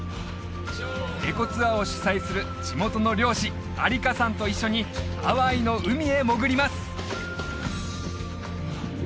エコツアーを主催する地元の漁師アリカさんと一緒にハワイの海へ潜ります！